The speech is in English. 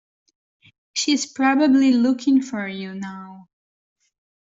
She's probably looking for you now.